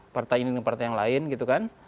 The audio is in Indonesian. partai ini dengan partai yang lain gitu kan